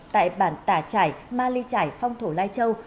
tại bản tà chải ma ly chải phong thổ lai châu